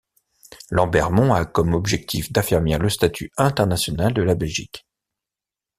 Lambermont a comme objectif d'affermir le statut international de la Belgique.